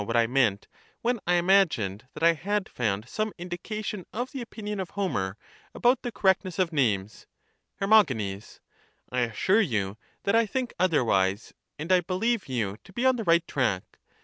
what I meant when I imagined that I had found some indi Socrates, cation of the opinion of Homer about the correctness of ^'^^^°^ GENES. names. Her. I assure you that I think otherwise, and I believe you to be on the right track.